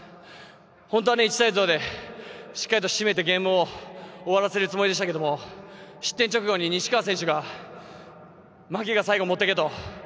本当は１対０でしっかり締めてゲームを終わらせるつもりでしたけど失点直後に西川選手がマキが最後持っていけと。